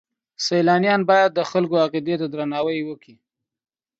سیلانیان باید د خلکو عقیدې ته درناوی وکړي.